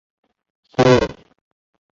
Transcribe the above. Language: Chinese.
窦氏是大司空窦融的曾孙女。